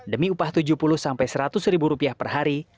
demi upah tujuh puluh sampai seratus ribu rupiah per hari